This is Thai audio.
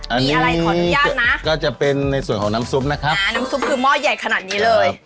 อันนี้อะไรขออนุญาตนะก็จะเป็นในส่วนของน้ำซุปนะครับน้ำซุปคือหม้อใหญ่ขนาดนี้เลย